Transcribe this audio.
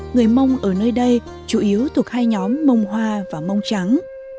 người mông ở nơi đây chủ yếu thuộc hai nhóm mông hoa và mông trắng